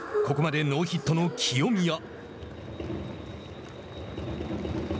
ここまでノーヒットの清宮。